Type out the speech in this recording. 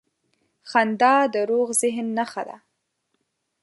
• خندا د روغ ذهن نښه ده.